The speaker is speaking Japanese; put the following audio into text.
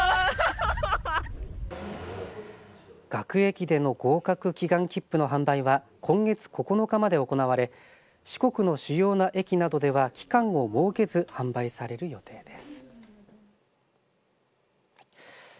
学駅での合格祈願きっぷの販売は今月９日まで行われ四国の主要な駅などでは期間を設けず販売される予定です。